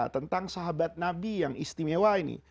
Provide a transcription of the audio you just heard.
tentang sahabat nabi yang istimewa ini